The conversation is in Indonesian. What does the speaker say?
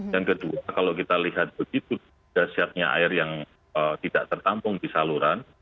yang kedua kalau kita lihat begitu dasyatnya air yang tidak tertampung di saluran